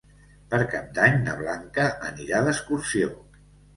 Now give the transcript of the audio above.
Per Cap d'Any na Blanca anirà d'excursió.